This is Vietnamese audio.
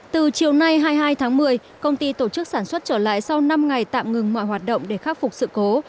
từ chiều nay hai mươi hai tháng một mươi công ty tổ chức sản xuất trở lại sau năm ngày tạm ngừng mọi hoạt động để khắc phục sự cố